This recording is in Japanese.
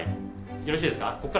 よろしいですか？